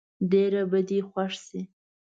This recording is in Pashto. ډېر به دې خوښ شي.